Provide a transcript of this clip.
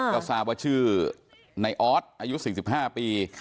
เราก็สารว่าชื่อนายออสอายุ๔๕ปี